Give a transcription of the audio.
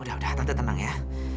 udah udah tentu tenang ya